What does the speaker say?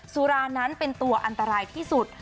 สุรานั้นเป็นตัวอันตรายที่สุด